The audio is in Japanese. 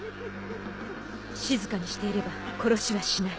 静かにしていれば殺しはしない。